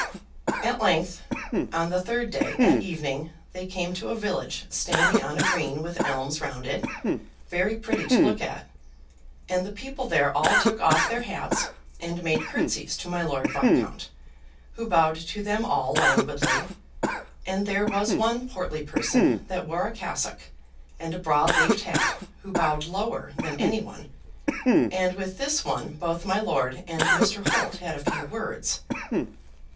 At length, on the third day, at evening, they came to a village standing on a green with elms round it, very pretty to look at; and the people there all took off their hats, and made curtsies to my Lord Viscount, who bowed to them all languidly; and there was one portly person that wore a cassock and a broad leafed hat, who bowed lower than any one and with this one both my lord and Mr. Holt had a few words.